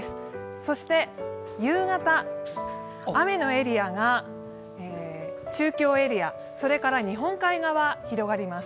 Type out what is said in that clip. そして夕方、雨のエリアが中京エリア、日本海側に広がります。